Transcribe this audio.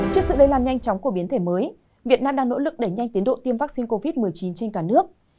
trước sự lây lan nhanh chóng của biến thể mới việt nam đang nỗ lực đẩy nhanh tiến độ tiêm vaccine covid một mươi chín trên cả nước